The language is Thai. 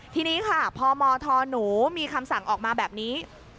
ทีนี้ค่ะพมหนูมีคำสั่งออกมาแบบนี้